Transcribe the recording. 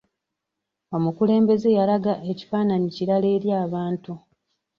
Omukulembeze yalaga ekifaananyi kirala eri abantu.